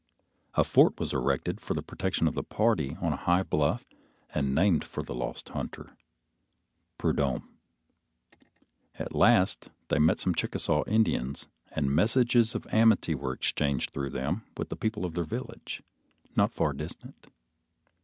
A fort was erected for the protection of the party on a high bluff, and named for the lost hunter, Prudhomme. At last they met some Chickasaw Indians, and messages of amity were exchanged through them with the people of their village, not far distant.